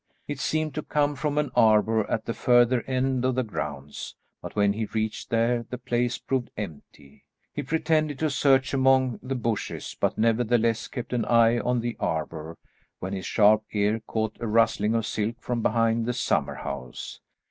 It seemed to come from an arbour at the further end of the grounds, but when he reached there the place proved empty. He pretended to search among the bushes, but nevertheless kept an eye on the arbour, when his sharp ear caught a rustling of silk from behind the summer house.